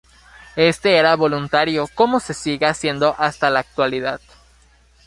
Este era voluntario, como se sigue haciendo hasta la actualidad.